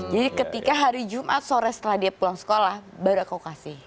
jadi ketika hari jumat sore setelah dia pulang sekolah baru aku kasih